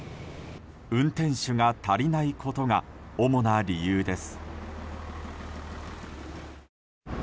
運転手が足りないことが主な理由です。